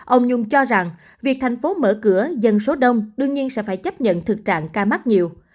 ông nhung cho rằng việc thành phố mở cửa dân số đông đương nhiên sẽ phải chấp nhận thực trạng ca mắc nhiều